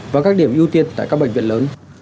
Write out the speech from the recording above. và các điểm ưu tiên tại các bệnh viện lớn